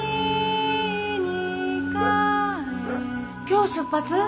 今日出発？